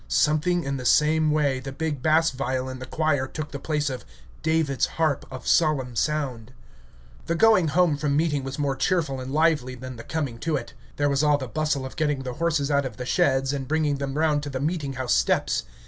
Something in the same way the big bass viol in the choir took the place of "David's harp of solemn sound." The going home from meeting was more cheerful and lively than the coming to it. There was all the bustle of getting the horses out of the sheds and bringing them round to the meeting house steps.